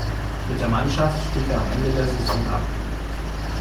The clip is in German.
Mit der Mannschaft stieg er am Ende der Saison ab.